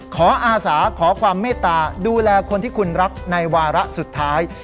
อาสาขอความเมตตาดูแลคนที่คุณรักในวาระสุดท้าย